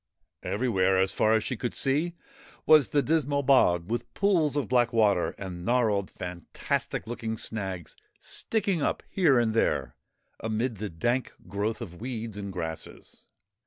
Everywhere, as far as she could see, was the dismal bog, with pools of black water, and gnarled, fantastic looking snags sticking up here and there amid the dank growth of weeds and grasses.